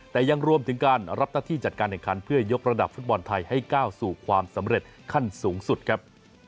แต่ยังรวมถึงการรับหน้าที่จัดการแห่งขันเพื่อยกระดับฟุตบอลไทยให้ก้าวสู่ความสำเร็จขั้นสูงสุดครับ